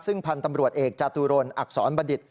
ซึ่งพันธ์ตำรวจเอกจาตุรนอักษรบัณฑิต